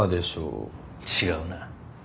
・違うな。